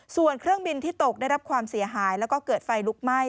ส่วนเครื่องบินที่ตกได้รับความเสียหายแล้วก็เกิดไฟลุกไหม้